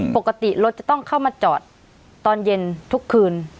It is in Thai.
ปกติรถจะต้องเข้ามาจอดตอนเย็นทุกคืน